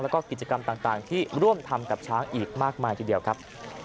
แล้วก็กิจกรรมต่างที่ร่วมทำกับช้างอีกมากมายทีเดียวครับ